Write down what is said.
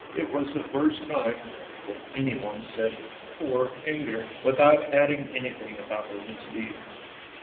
It was the first time that anyone said " Poor Inger," without adding anything about her misdeeds.